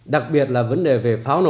đặc biệt là vấn đề về pháo nổ